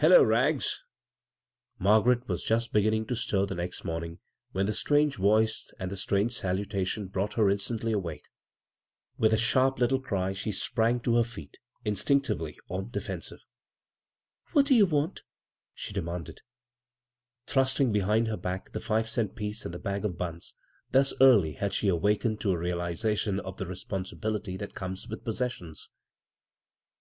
"Hullo, Rags I" Margaret was just begfinning to stir next morning when the strange voice i the strange salutation brought her instat awake. With a sharp little cry she spn to her feet, instinctively on the defenave. 103 b, Google CROSS CURRENTS "What you want?" she demanded, thrusting behind her back the five^cnt piece and the bag of buns — thus early had she awakened to a realization of the responsibil ity that comes with possessions.